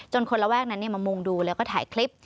คนระแวกนั้นมามุงดูแล้วก็ถ่ายคลิป